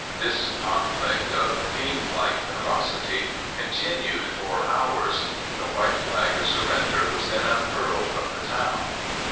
This conflict, of fiend like ferocity, continued four hours. The white flag of surrender was then unfurled from the town.